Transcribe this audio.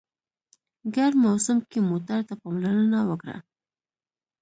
ګرم موسم کې موټر ته پاملرنه وکړه.